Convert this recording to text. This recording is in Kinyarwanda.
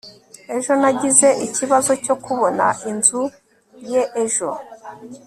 ejo nagize ikibazo cyo kubona inzu ye ejo